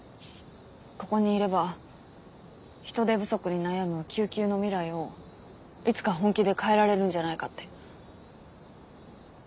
ここにいれば人手不足に悩む救急の未来をいつか本気で変えられるんじゃないかって。